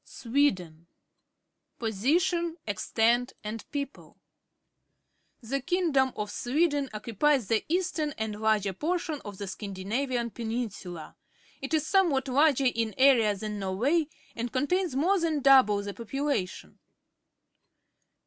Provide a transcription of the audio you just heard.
SWEDEN Position, Extent, and People. — The king dom of Sweden occupies the eastern and larger portion of the Scandinavian Peninsula. It is somewhat larger in area than Norway and contains more than d()u])le the population.